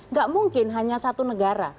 nggak mungkin hanya satu negara